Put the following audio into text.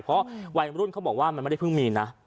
เพราะวัยรุ่นเขาบอกว่ามันไม่ได้เพิ่งมีนะ